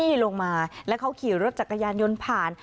นี่ลงมาแล้วเขาขี่รถจักรยานยนต์ผ่าน